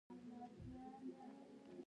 احمد هسې په دا ځنې بدو کارونو ځان پلیت کړ.